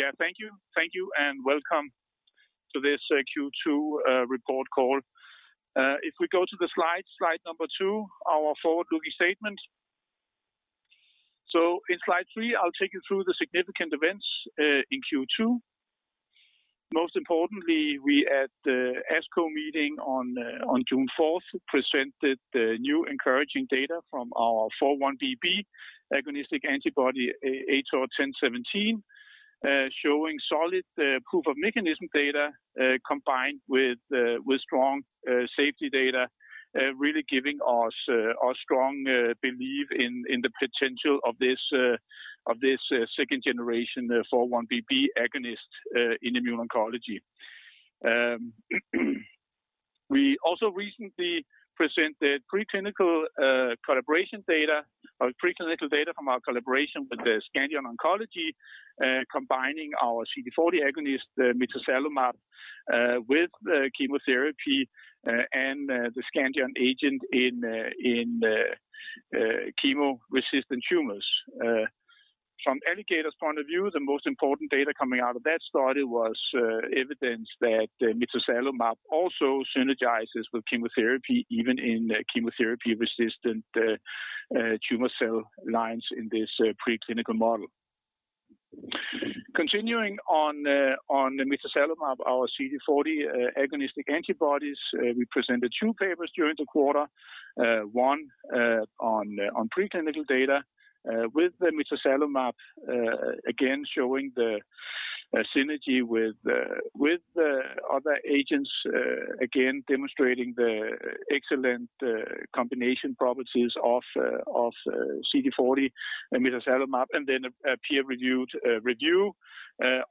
Yeah, thank you. Thank you, and welcome to this Q2 report call. If we go to the slides, slide number two, our forward-looking statement. In slide three, I'll take you through the significant events in Q2. Most importantly, we at the ASCO meeting on June 4th presented the new encouraging data from our 4-1BB agonistic antibody, ATOR-1017, showing solid proof of mechanism data combined with strong safety data, really giving us a strong belief in the potential of this second generation 4-1BB agonist in immuno-oncology. We also recently presented preclinical data from our collaboration with the Scandion Oncology, combining our CD40 agonist, mitazalimab, with chemotherapy and the Scandion agent in chemo-resistant tumors. From Alligator's point of view, the most important data coming out of that study was evidence that mitazalimab also synergizes with chemotherapy, even in chemotherapy-resistant tumor cell lines in this preclinical model. Continuing on mitazalimab, our CD40 agonistic antibodies, we presented two papers during the quarter. One on preclinical data with the mitazalimab, again, showing the synergy with other agents, again, demonstrating the excellent combination properties of CD40 mitazalimab. A peer review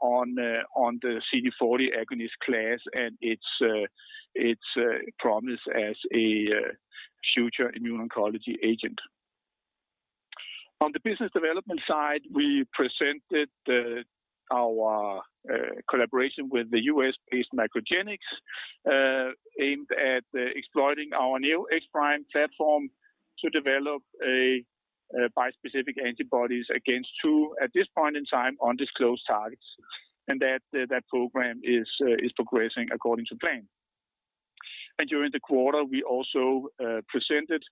on the CD40 agonist class and its promise as a future immuno-oncology agent. On the business development side, we presented our collaboration with the U.S.-based MacroGenics, aimed at exploiting our Neo-X-Prime platform to develop bispecific antibodies against two, at this point in time, undisclosed targets. That program is progressing according to plan. During the quarter, we also presented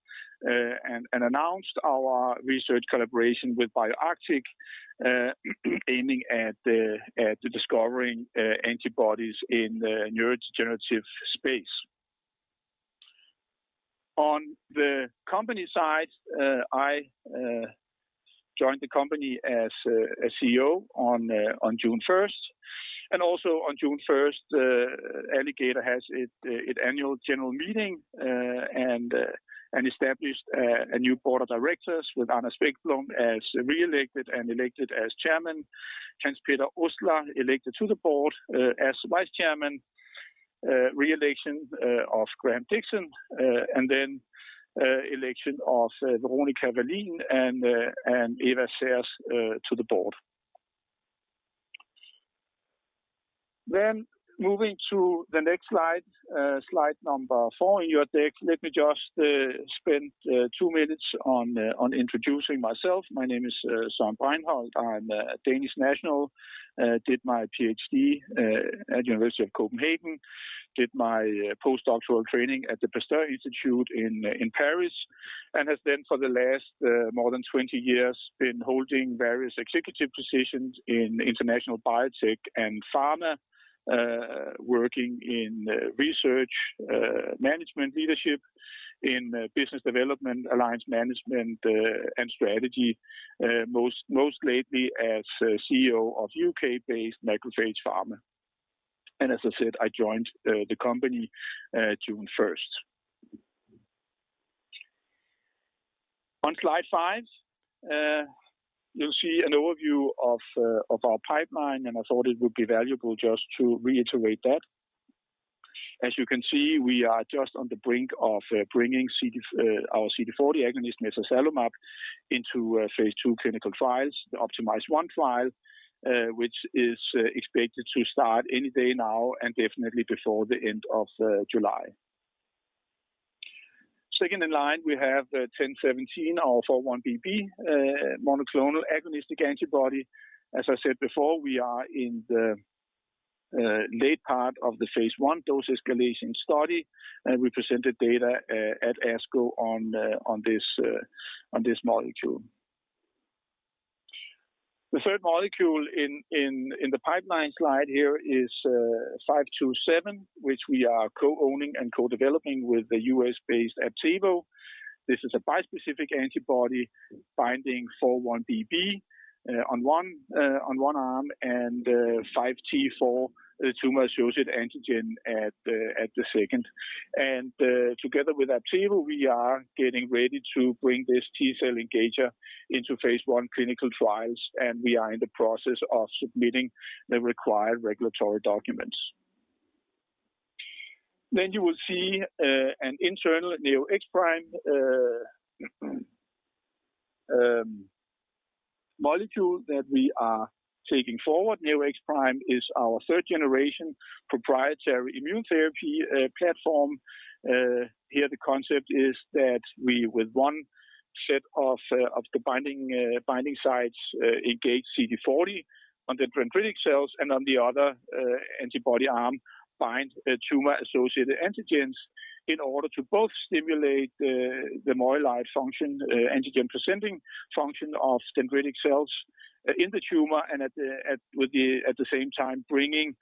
and announced our research collaboration with BioArctic, aiming at discovering antibodies in the neurodegenerative space. On the company side, I joined the company as CEO on June 1st. Also on June 1st, Alligator had its annual general meeting and established a new board of directors with Anders Ekblom re-elected and elected as Chairman. Hans-Peter Ostler elected to the board as Vice Chairman. Re-election of Graham Dixon, election of Veronica Wallin and Eva Sjökvist Saers to the board. Moving to the next slide number four in your deck. Let me just spend 2 minutes on introducing myself. My name is Søren Bregenholt. I'm a Danish national. Did my PhD at University of Copenhagen. Did my post-doctoral training at the Institut Pasteur in Paris, have for the last more than 20 years been holding various executive positions in international biotech and pharma, working in research, management leadership, in business development, alliance management, and strategy. Most lately as CEO of U.K.-based Macrophage Pharma. As I said, I joined the company June 1st. On slide five, you'll see an overview of our pipeline. I thought it would be valuable just to reiterate that. As you can see, we are just on the brink of bringing our CD40 agonist mitazalimab into phase II clinical trials, the OPTIMIZE-1 trial, which is expected to start any day now and definitely before the end of July. Second in line, we have the 1017 or 4-1BB monoclonal agonistic antibody. As I said before, we are in the late part of the phase I dose escalation study. We presented data at ASCO on this molecule. The third molecule in the pipeline slide here is 527, which we are co-owning and co-developing with the U.S.-based Aptevo Therapeutics. This is a bispecific antibody binding 4-1BB on one arm and 5T4 tumor-associated antigen at the second. Together with AbCellera, we are getting ready to bring this T-cell engager into phase I clinical trials, and we are in the process of submitting the required regulatory documents. You will see an internal Neo-X-Prime molecule that we are taking forward. Neo-X-Prime is our third generation proprietary immune therapy platform. Here, the concept is that with one set of the binding sites engage CD40 on the pancreatic cells, and on the other antibody arm bind tumor-associated antigens in order to both stimulate the myeloid function, antigen-presenting function of dendritic cells in the tumor, and at the same time bringing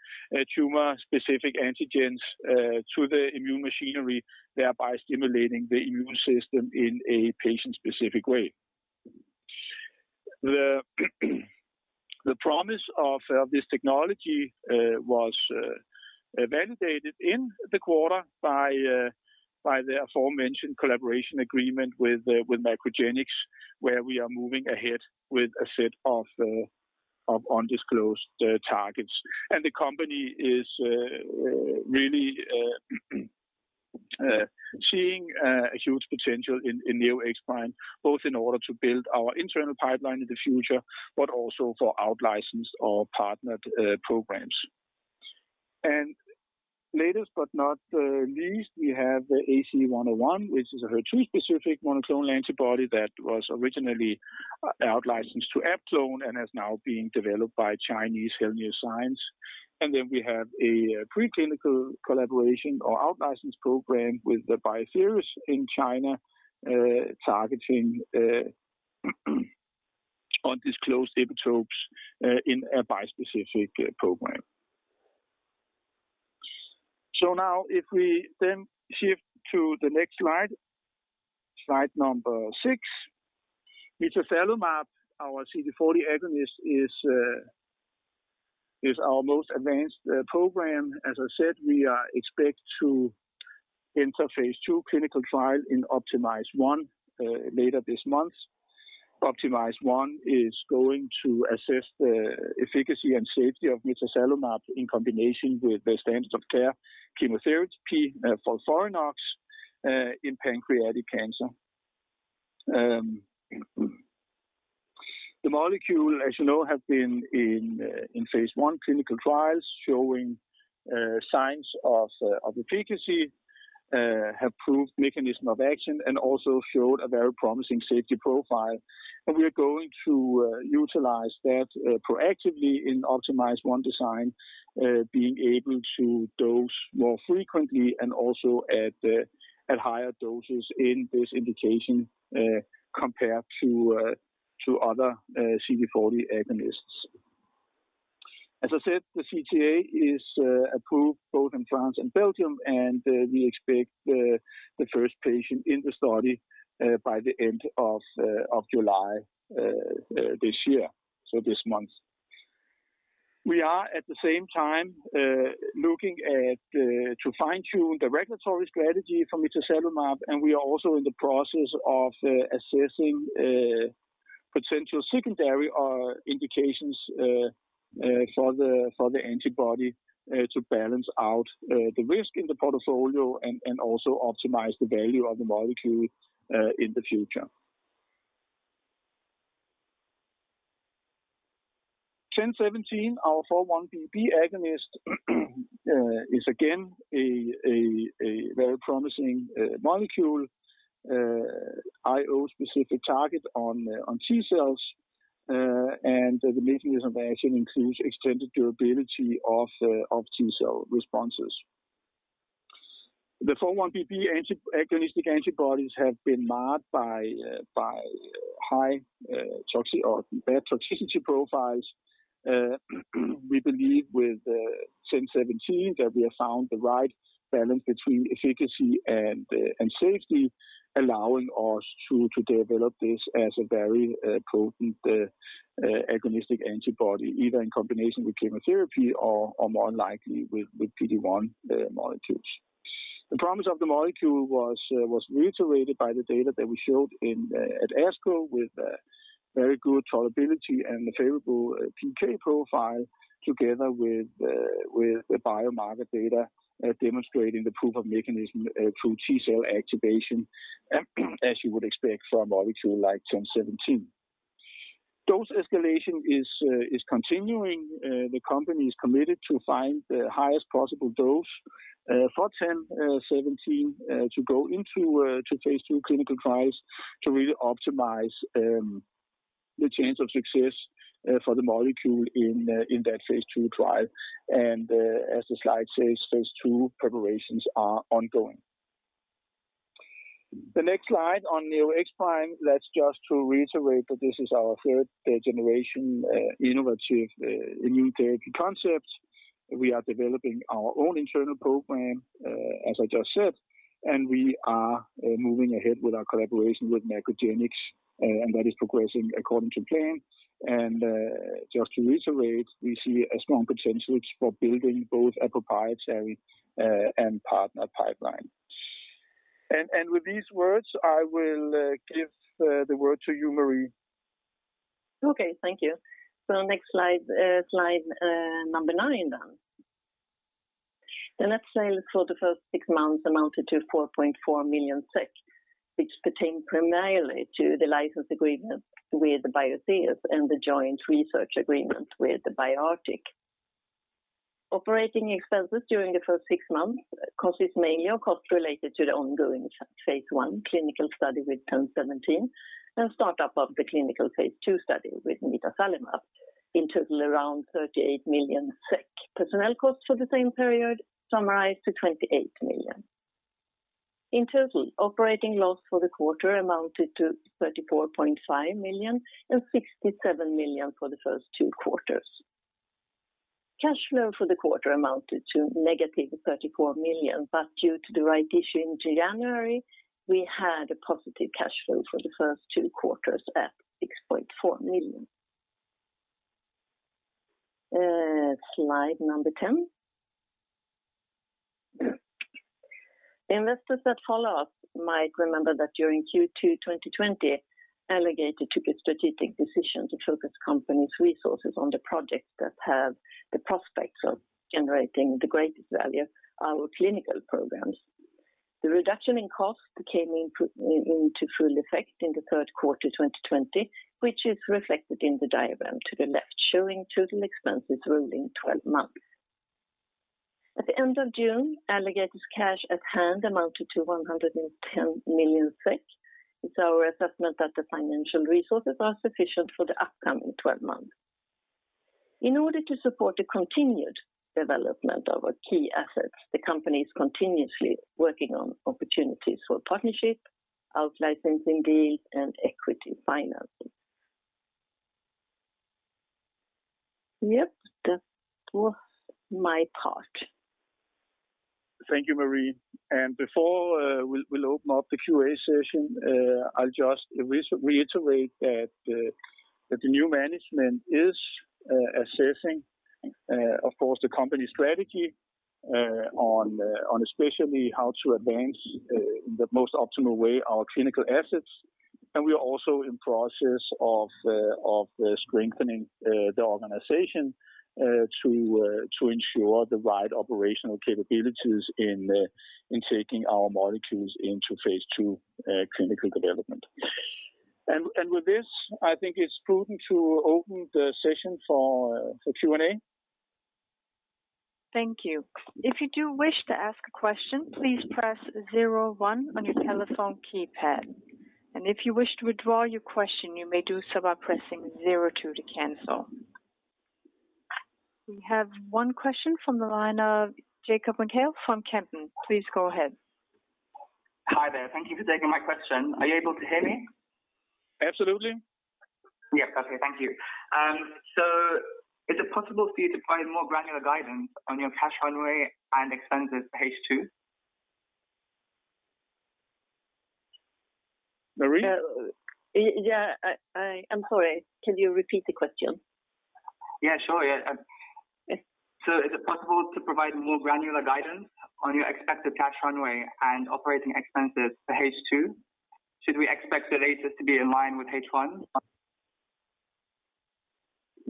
tumor-specific antigens to the immune machinery, thereby stimulating the immune system in a patient-specific way. The promise of this technology was validated in the quarter by the aforementioned collaboration agreement with MacroGenics, where we are moving ahead with a set of undisclosed targets. The company is really seeing a huge potential in Neo-X-Prime, both in order to build our internal pipeline in the future, but also for out-license or partnered programs. Last but not least, we have AC101, which is a HER2-specific monoclonal antibody that was originally out-licensed to AbClon and is now being developed by Chinese Henlius. We have a preclinical collaboration or out-license program with Biotheus in China, targeting undisclosed epitopes in a bispecific program. Slide number six. mitazalimab, our CD40 agonist is our most advanced program. As I said, we are expected to enter phase II clinical trial in OPTIMIZE-1 later this month. OPTIMIZE-1 is going to assess the efficacy and safety of mitazalimab in combination with the standard of care chemotherapy FOLFIRINOX in pancreatic cancer. The molecule, as you know, has been in phase I clinical trials showing signs of efficacy, have proved mechanism of action, and also showed a very promising safety profile. We are going to utilize that proactively in OPTIMIZE-1 design, being able to dose more frequently and also at higher doses in this indication compared to other CD40 agonists. As I said, the CTA is approved both in France and Belgium, and we expect the first patient in the study by the end of July this year, so this month. We are at the same time looking at to fine-tune the regulatory strategy for mitazalimab, and we are also in the process of assessing potential secondary indications for the antibody to balance out the risk in the portfolio and also optimize the value of the molecule in the future. ATOR-1017, our 4-1BB agonist is again a very promising molecule. IO-specific target on T cells, and the mechanism of action includes extended durability of T cell responses. The 4-1BB agonistic antibodies have been marred by bad toxicity profiles. We believe with ATOR-1017 that we have found the right balance between efficacy and safety, allowing us to develop this as a very potent agonistic antibody, either in combination with chemotherapy or more likely with PD-1 molecules. The promise of the molecule was reiterated by the data that we showed at ASCO with very good tolerability and a favorable PK profile together with the biomarker data demonstrating the proof of mechanism through T cell activation, as you would expect from a molecule like ATOR-1017. Dose escalation is continuing. The company is committed to find the highest possible dose for ATOR-1017 to go into phase II clinical trials to really optimize the chance of success for the molecule in that phase II trial. As the slide says, phase II preparations are ongoing. The next slide on Neo-X-Prime, let's just reiterate that this is our third-generation innovative immune therapy concept. We are developing our own internal program, as I just said, and we are moving ahead with our collaboration with MacroGenics. That is progressing according to plan. Just to reiterate, we see a strong potential for building both a proprietary and partner pipeline. With these words, I will give the word to you, Marie. Okay, thank you. Next slide number nine then. The net sales for the first 6 months amounted to 4.4 million SEK, which pertained primarily to the license agreement with Biotheus and the joint research agreement with BioArctic. Operating expenses during the first 6 months consists mainly of costs related to the ongoing phase I clinical study with ATOR-1017 and start up of the clinical phase II study with mitazalimab. In total, around 38 million SEK. Personnel costs for the same period summarized to 28 million. In total, operating loss for the quarter amounted to 34.5 million and 67 million for the first two quarters. Cash flow for the quarter amounted to negative 34 million, but due to the right issue in January, we had a positive cash flow for the first two quarters at 6.4 million. Slide number 10. The investors that follow us might remember that during Q2 2020, Alligator took a strategic decision to focus company's resources on the projects that have the prospects of generating the greatest value our clinical programs. The reduction in cost came into full effect in the third quarter 2020, which is reflected in the diagram to the left, showing total expenses rolling 12 months. At the end of June, Alligator's cash at hand amounted to 110 million SEK. It's our assessment that the financial resources are sufficient for the upcoming 12 months. In order to support the continued development of our key assets, the company is continuously working on opportunities for partnership, out-licensing deals, and equity financing. Yep, that was my part. Thank you, Marie. Before we'll open up the Q&A session, I'll just reiterate that the new management is assessing of course the company strategy on especially how to advance the most optimal way our clinical assets. We are also in process of strengthening the organization to ensure the right operational capabilities in taking our molecules into phase II clinical development. With this, I think it's prudent to open the session for Q&A. Thank you. If you do wish to ask a question, please press zero one on your telephone keypad. If you wish to withdraw your question, you may do so by pressing zero two to cancel. We have one question from the line of Jacob McHale from Kempen. Please go ahead. Hi there. Thank you for taking my question. Are you able to hear me? Absolutely. Yes. Okay. Thank you. Is it possible for you to provide more granular guidance on your cash runway and expenses for H2? Marie? Yeah. I'm sorry, can you repeat the question? Yeah, sure. Is it possible to provide more granular guidance on your expected cash runway and operating expenses for H2? Should we expect the latest to be in line with H1?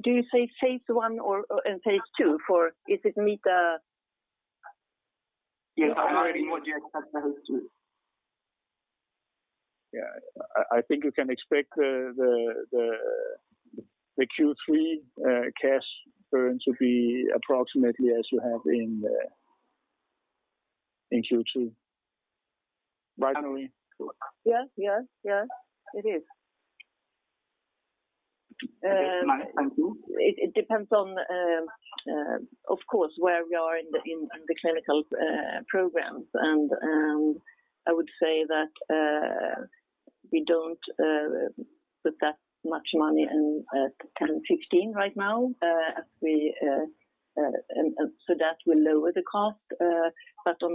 Do you say phase I or phase II for, is it mitazalimab? I'm wondering what you expect for H2? Yeah. I think you can expect the Q3 cash burn to be approximately as you have in Q2. Right? Yes. It is. Okay. Nice. Thank you. It depends on, of course, where we are in the clinical programs. I would say that we don't put that much money in 1016 right now, so that will lower the cost. On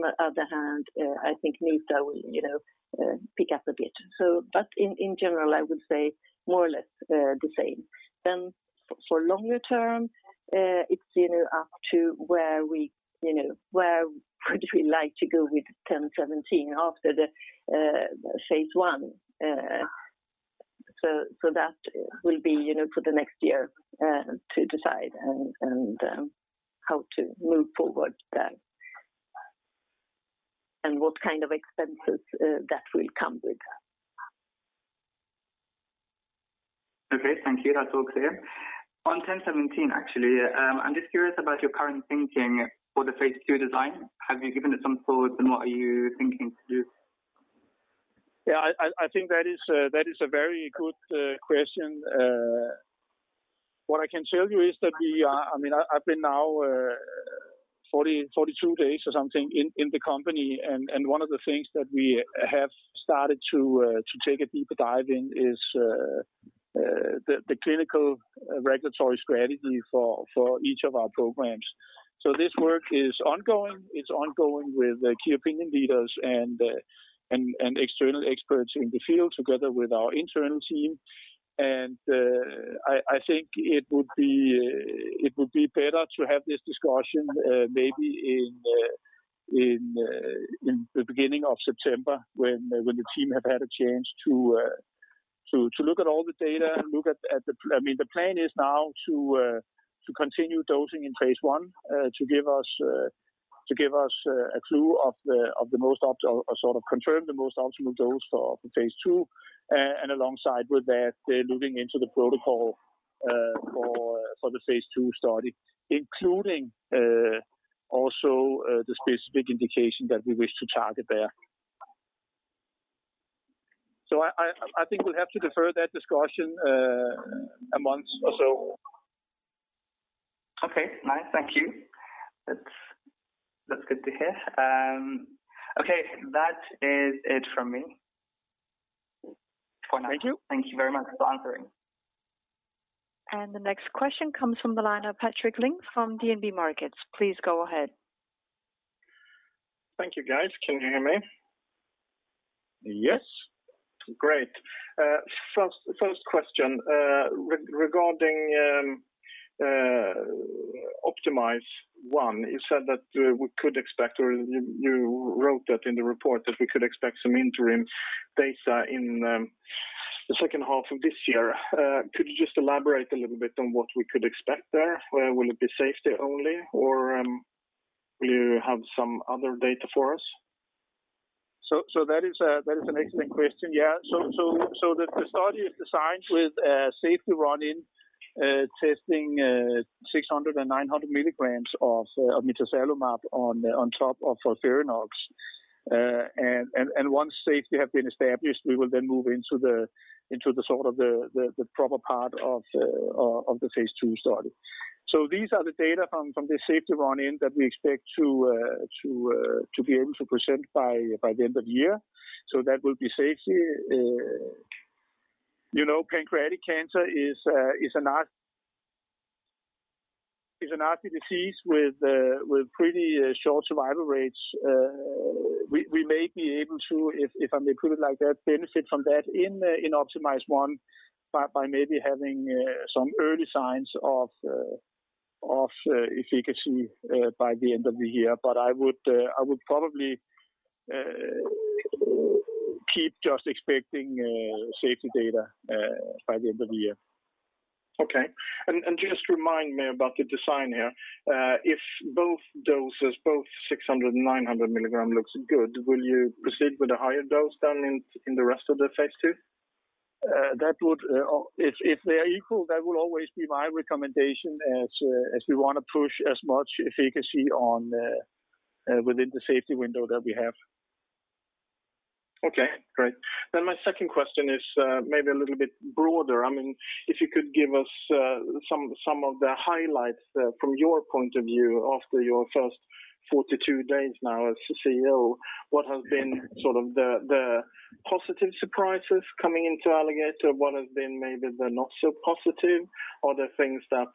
the other hand, I think mitazalimab will pick up a bit. In general, I would say more or less the same. For longer term, it's up to where could we like to go with 1017 after the phase I. That will be for the next year to decide and how to move forward there, and what kind of expenses that will come with that. Okay, thank you. That's all clear. On 1017, actually, I'm just curious about your current thinking for the phase II design. Have you given it some thought, and what are you thinking to do? Yeah, I think that is a very good question. What I can tell you is that I've been now 42 days or something in the company, one of the things that we have started to take a deeper dive in is the clinical regulatory strategy for each of our programs. This work is ongoing. It's ongoing with key opinion leaders and external experts in the field together with our internal team. I think it would be better to have this discussion maybe in the beginning of September when the team have had a chance to look at all the data and look at the plan is now to continue dosing in phase I to give us a clue of the most optimal dose for phase II. Alongside with that, they're looking into the protocol for the phase II study, including also the specific indication that we wish to target there. I think we'll have to defer that discussion a month or so. Okay, nice. Thank you. That's good to hear. Okay. That is it from me. Thank you. Thank you very much for answering. The next question comes from the line of Patrik Ling from DNB Markets. Please go ahead. Thank you, guys. Can you hear me? Yes. Great. First question regarding OPTIMIZE-1, you said that we could expect, or you wrote that in the report that we could expect some interim data in the second half of this year. Could you just elaborate a little bit on what we could expect there? Will it be safety only, or will you have some other data for us? That is an excellent question. Yeah. The study is designed with a safety run-in testing 600 and 900 milligrams of mitazalimab on top of FOLFIRINOX. Once safety has been established, we will then move into the proper part of the phase II study. These are the data from the safety run-in that we expect to be able to present by the end of the year. That will be safety. Pancreatic cancer is an ugly disease with pretty short survival rates. We may be able to, if I may put it like that, benefit from that in OPTIMIZE-1 by maybe having some early signs of efficacy by the end of the year. I would probably keep just expecting safety data by the end of the year. Okay. Just remind me about the design here. If both doses, both 600 and 900 milligrams looks good, will you proceed with the higher dose then in the rest of the phase II? If they are equal, that will always be my recommendation as we want to push as much efficacy within the safety window that we have. Okay, great. My second question is maybe a little bit broader. If you could give us some of the highlights from your point of view after your first 42 days now as the CEO, what have been sort of the positive surprises coming into Alligator? What have been maybe the not so positive? Are there things that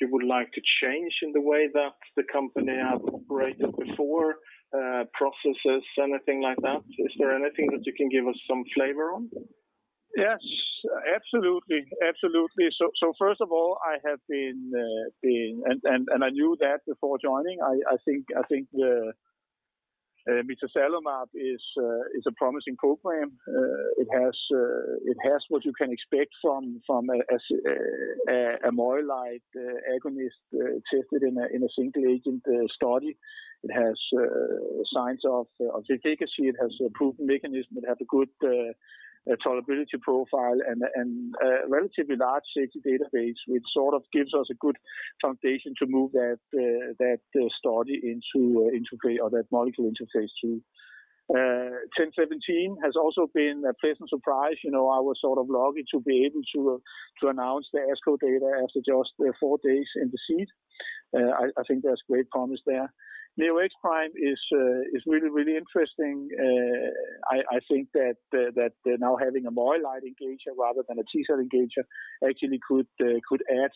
you would like to change in the way that the company have operated before, processes, anything like that? Is there anything that you can give us some flavor on? Yes, absolutely. First of all, I have been, and I knew that before joining, I think the mitazalimab is a promising program. It has what you can expect from a myeloid-like agonist tested in a single-agent study. It has signs of efficacy, it has a proven mechanism, it has a good tolerability profile and a relatively large safety database, which sort of gives us a good foundation to move that study into, or that molecule into phase II. ATOR-1017 has also been a pleasant surprise. I was sort of longing to be able to announce the ASCO data after just four days in the seat. I think there's great promise there. Neo-X-Prime is really interesting. I think that now having a myeloid-like engager rather than a T-cell engager actually could add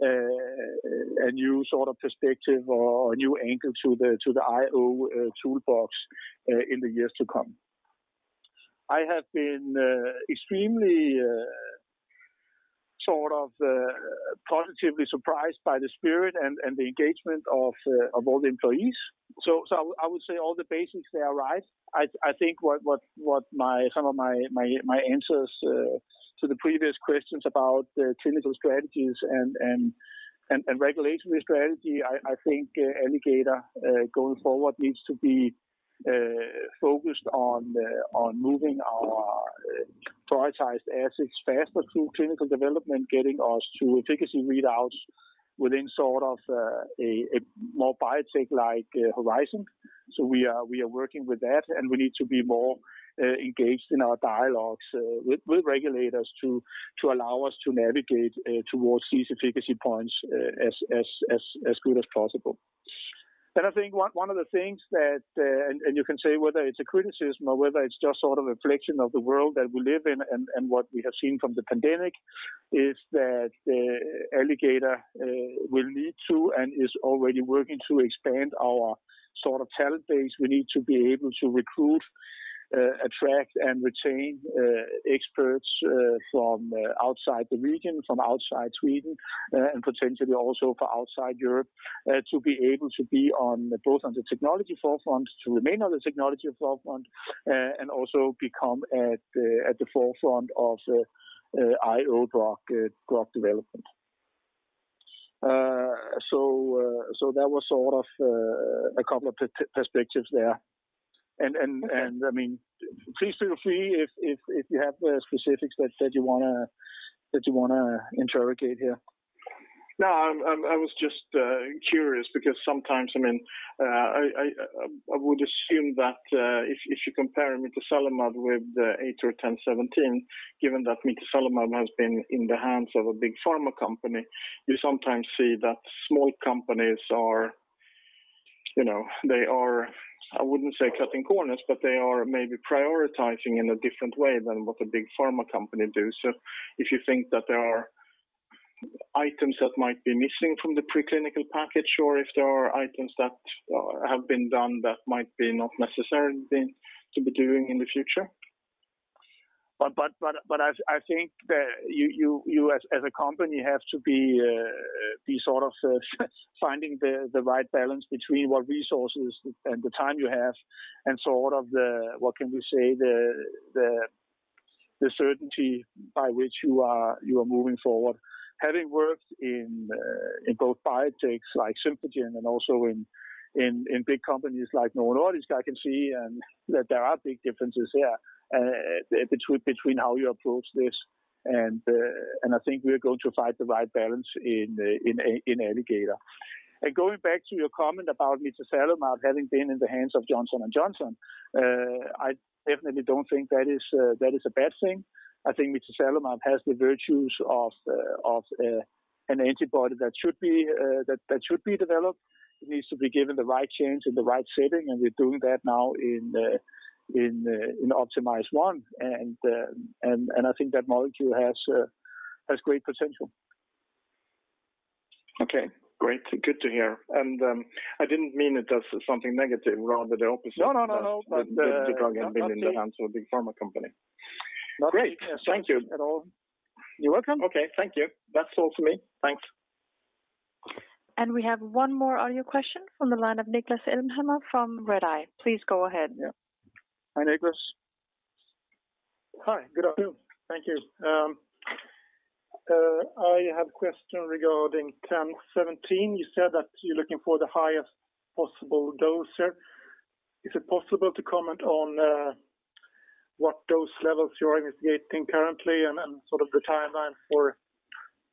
a new sort of perspective or a new angle to the IO toolbox in the years to come. I have been extremely sort of positively surprised by the spirit and the engagement of all the employees. I would say all the basics there, right? I think what some of my answers to the previous questions about the clinical strategies and regulatory strategy, I think Alligator going forward needs to be focused on moving our prioritized assets faster through clinical development, getting us to efficacy readouts within sort of a more biotech-like horizon. We are working with that, and we need to be more engaged in our dialogues with regulators to allow us to navigate towards these efficacy points as good as possible. I think one of the things that, and you can say whether it's a criticism or whether it's just sort of a reflection of the world that we live in and what we have seen from the pandemic, is that Alligator will need to, and is already working to expand our sort of talent base. We need to be able to recruit, attract, and retain experts from outside the region, from outside Sweden, and potentially also from outside Europe, to be able to be both on the technology forefront, to remain on the technology forefront, and also become at the forefront of IO drug development. That was a couple of perspectives there. Please feel free if you have specifics that you want to interrogate here. I was just curious because sometimes, I would assume that if you compare mitotane with the ATOR-1017, given that mitotane has been in the hands of a big pharma company, you sometimes see that small companies are, I wouldn't say cutting corners, but they are maybe prioritizing in a different way than what the big pharma company do. If you think that there are items that might be missing from the preclinical package, or if there are items that have been done that might be not necessary to be doing in the future. I think that you as a company have to be finding the right balance between what resources and the time you have, and the certainty by which you are moving forward. Having worked in both biotech like Symphogen and also in big companies like Novo Nordisk, I can see that there are big differences there between how you approach this, and I think we are going to find the right balance in Alligator. Going back to your comment about mitazalimab having been in the hands of Johnson & Johnson, I definitely don't think that is a bad thing. I think mitazalimab has the virtues of an antibody that should be developed. It needs to be given the right chance in the right setting, and we're doing that now in OPTIMIZE-1, and I think that molecule has great potential. Okay, great. Good to hear. I didn't mean it as something negative, rather the opposite. No. the drug had been in the hands of a big pharma company. Great. Thank you. You're welcome. Okay. Thank you. That's all for me. Thanks. We have one more on your question from the line of Niklas Elmhammer from Redeye. Please go ahead. Yeah. Hi, Niklas. Hi, good afternoon. Thank you. I have question regarding 1017. You said that you're looking for the highest possible dose here. Is it possible to comment on what dose levels you are investigating currently and the timeline for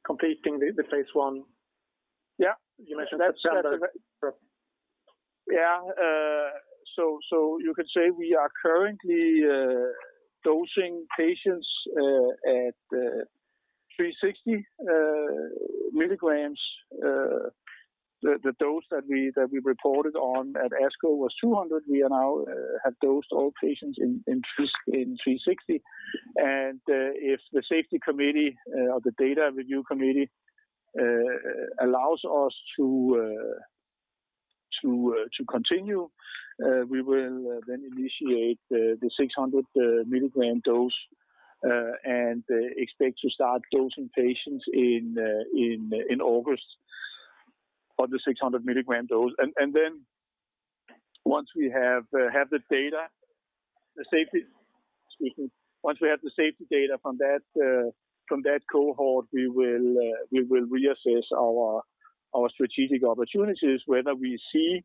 completing the phase I? Yeah. You mentioned September. Yeah. You could say we are currently dosing patients at 360 milligrams. The dose that we reported on at ASCO was 200. We now have dosed all patients in 360. If the safety committee or the data review committee allows us to continue, we will then initiate the 600-milligram dose, and expect to start dosing patients in August for the 600-milligram dose. Once we have the safety data from that cohort, we will reassess our strategic opportunities, whether we see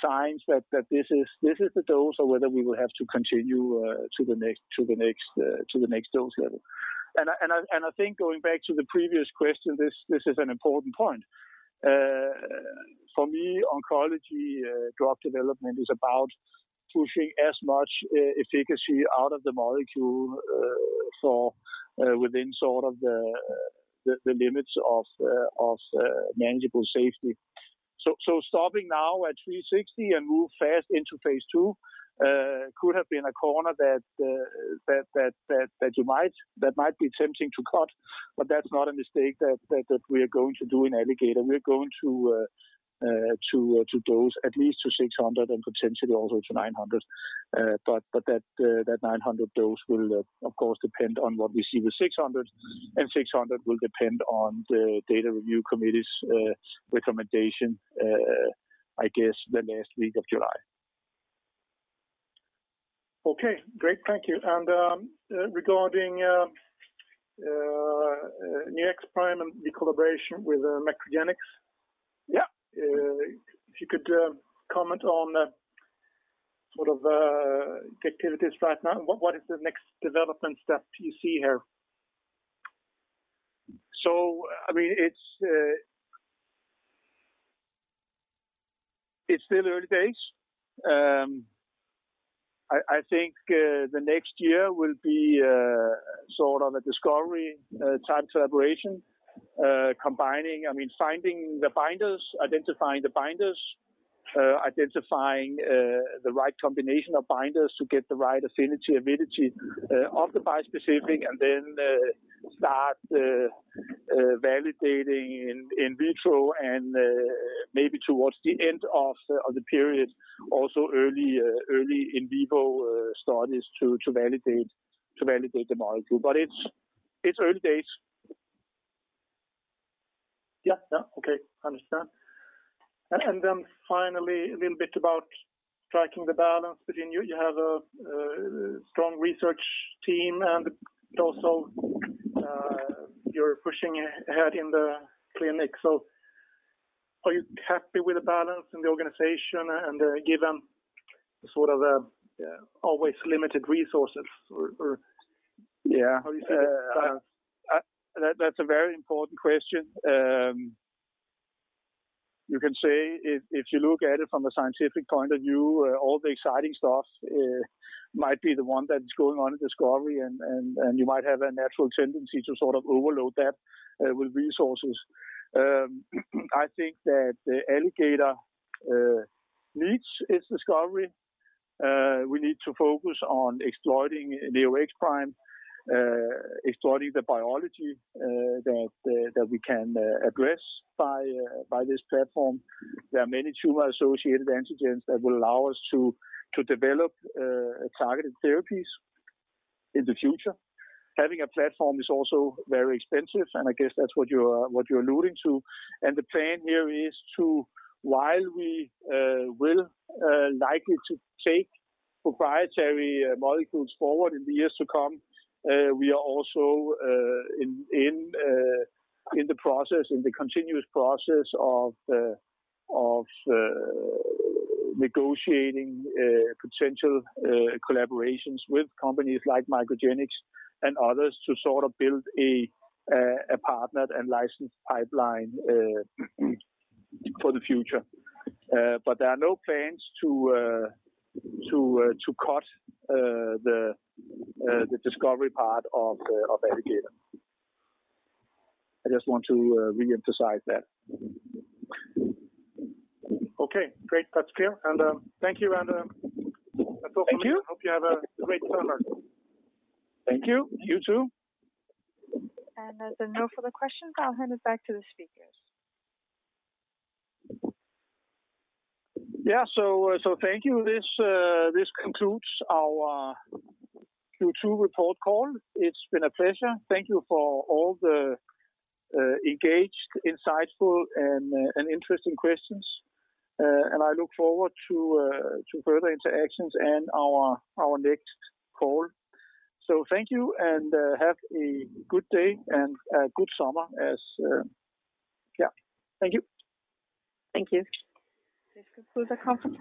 signs that this is the dose or whether we will have to continue to the next dose level. I think going back to the previous question, this is an important point. For me, oncology drug development is about pushing as much efficacy out of the molecule within the limits of manageable safety. Stopping now at 360 and move fast into phase II could have been a corner that might be tempting to cut, but that's not a mistake that we are going to do in Alligator. We are going to dose at least to 600 and potentially also to 900. That 900 dose will, of course, depend on what we see with 600, and 600 will depend on the data review committee's recommendation, I guess the last week of July. Okay, great. Thank you. Regarding Neo-X-Prime and the collaboration with MacroGenics. Yeah. If you could comment on the activities right now, what is the next development step you see here? It's still early days. I think the next year will be a discovery type collaboration combining, finding the binders, identifying the binders, identifying the right combination of binders to get the right affinity/avidity of the bispecific, and then start validating in vitro and maybe towards the end of the period, also early in vivo studies to validate the molecule. It's early days. Yeah. Okay, understand. Finally, a little bit about striking the balance between you have a strong research team and also you're pushing ahead in the clinic. Are you happy with the balance in the organization and given sort of always limited resources? Yeah. That's a very important question. You can say if you look at it from a scientific point of view, all the exciting stuff might be the one that is going on in discovery, and you might have a natural tendency to sort of overload that with resources. I think that the Alligator needs its discovery. We need to focus on exploiting Neo-X-Prime, exploiting the biology that we can address by this platform. There are many tumor-associated antigens that will allow us to develop targeted therapies in the future. Having a platform is also very expensive, and I guess that's what you're alluding to. The plan here is to, while we will likely to take proprietary molecules forward in the years to come, we are also in the continuous process of negotiating potential collaborations with companies like MacroGenics and others to sort of build a partner and license pipeline for the future. But there are no plans to cut the discovery part of Alligator. I just want to reemphasize that. Okay. Great. That's clear. Thank you. Thank you. I hope you have a great summer. Thank you. You too. As there are no further questions, I'll hand it back to the speakers. Thank you. This concludes our Q2 report call. It's been a pleasure. Thank you for all the engaged, insightful, and interesting questions, and I look forward to further interactions in our next call. Thank you, and have a good day and a good summer. Thank you. Thank you. Thank you.